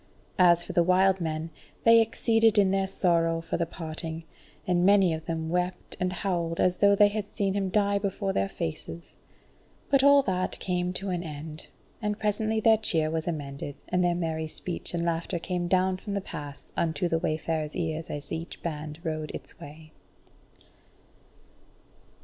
As for the wild men, they exceeded in their sorrow for the parting, and many of them wept and howled as though they had seen him die before their faces. But all that came to an end, and presently their cheer was amended, and their merry speech and laughter came down from the pass unto the wayfarers' ears as each band rode its way.